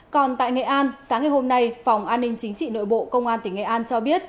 còn tại nghệ an sáng ngày hôm nay phòng an ninh chính trị nội bộ công an tỉnh nghệ an cho biết